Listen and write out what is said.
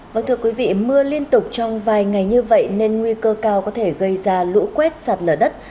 vâng thưa quý vị mưa liên tục trong vài ngày như vậy nên nguy cơ cao có thể gây ra lũ quét sạt lở đất